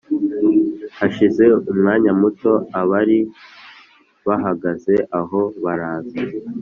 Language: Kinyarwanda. Hashize umwanya muto, abari bahagaze aho baraza